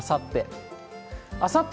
あさって。